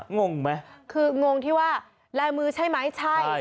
งงถึงว่าลายมือใช่มั้ยใช่